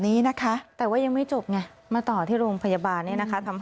นี้นะคะแต่ว่ายังไม่จบไงมาต่อที่โรงพยาบาลเนี่ยนะคะทำให้